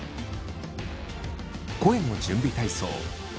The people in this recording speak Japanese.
声の準備体操。